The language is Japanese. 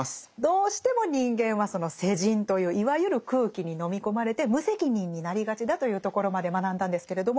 どうしても人間はその世人といういわゆる空気に飲み込まれて無責任になりがちだというところまで学んだんですけれど